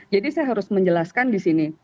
jadi saya harus menjelaskan di sini